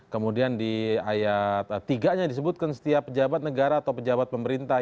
kemudian di ayat tiga nya disebutkan setiap pejabat negara atau pejabat pemerintah